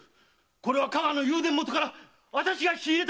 これは加賀の友禅元から私が仕入れた物！